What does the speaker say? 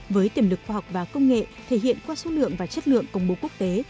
với tiềm lực khoa học và công nghệ thể hiện qua số lượng và chất lượng công bố quốc tế